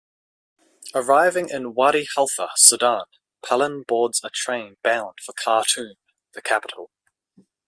Arriving in Wadi Halfa, Sudan, Palin boards a train bound for Khartoum, the capital.